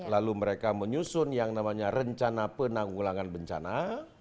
lalu mereka menyusun yang namanya rencana penanggulangan bencana